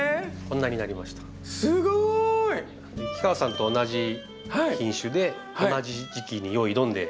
氷川さんと同じ品種で同じ時期によいどんで。